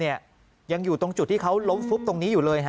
ยังอยู่ตรงจุดที่เขาล้มฟุบตรงนี้อยู่เลย